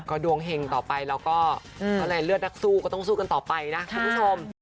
ก็ดวงเห็งต่อไปแล้วก็อะไรเลือดนักสู้ก็ต้องสู้กันต่อไปนะคุณผู้ชม